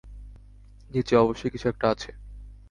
নিচে অবশ্যই কিছু একটা আছে!